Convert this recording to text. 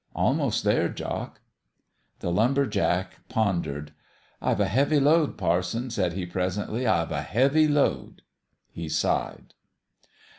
"Almost there, Jock." The lumber jack pondered. "I've a heavy load, parson," said he, presently. " I've a heavy load," he sighed.